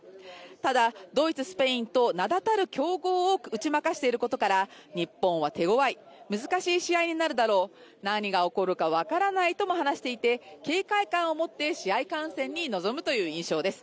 ただ、ドイツ、スペインと名だたる強豪を打ち負かしていることから日本は手ごわい、難しい試合になるだろう、何が起こるか分からないとも話していて警戒感を持って試合観戦に臨むという印象です